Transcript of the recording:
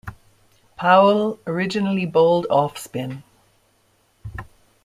Powell originally bowled off spin.